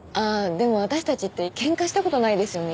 でも私たちってケンカしたことないですよね